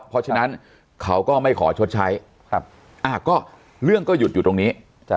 เพราะฉะนั้นเขาก็ไม่ขอชดใช้ก็เรื่องก็หยุดอยู่ตรงนี้